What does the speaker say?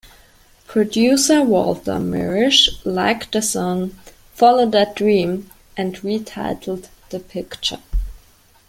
Producer Walter Mirisch liked the song "Follow that Dream" and retitled the picture.